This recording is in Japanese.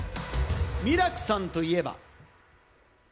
ミラクさんといえば。